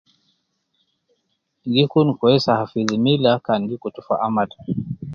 Gi kun kwes hafidhi Milla kan gi kutu fi amal